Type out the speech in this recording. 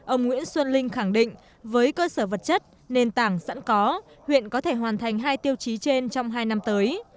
ông nguyễn xuân linh khẳng định với cơ sở vật chất nền tảng sẵn có huyện có thể hoàn thành hai tiêu chí trên trong hai năm tới